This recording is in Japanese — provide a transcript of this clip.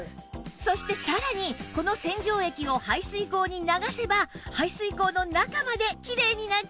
そしてさらにこの洗浄液を排水口に流せば排水口の中まできれいになっちゃいます